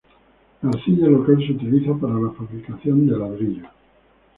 La arcilla local se utiliza para la fabricación de ladrillos.